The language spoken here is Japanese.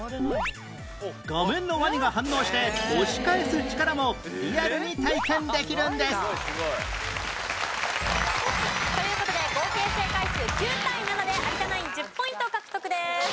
画面のワニが反応して押し返す力もリアルに体験できるんですという事で合計正解数９対７で有田ナイン１０ポイント獲得です。